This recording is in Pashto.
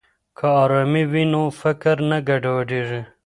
که ارامي وي نو فکر نه ګډوډیږي.